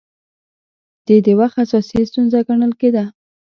دې د وخت اساسي ستونزه ګڼل کېده